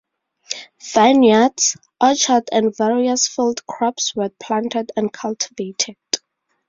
Vineyards, orchards and various field crops were planted and cultivated.